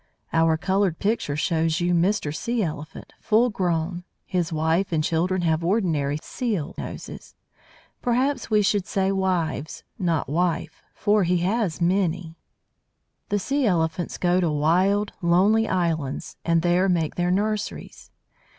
Our coloured picture shows you Mr. Sea elephant, full grown; his wife and children have ordinary seal noses. Perhaps we should say wives, not wife, for he has many. [Illustration: A COMMON SEAL] The Sea elephants go to wild, lonely islands, and there make their nurseries.